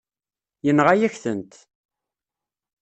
Yenɣa-yak-tent.